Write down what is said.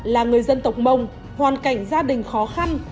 là người dân tộc mông hoàn cảnh gia đình khó khăn